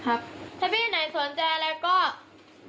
ฝากเป็นการรายใจให้หนูหน่อยนะครับถ้าพี่อันไหนสนใจอะไรก็